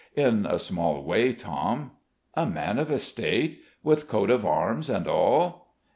"In a small way, Tom." "A man of estate? with coat of arms and all?"